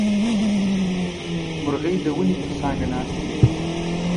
مرغۍ د ونې پر څانګه ناستې وې.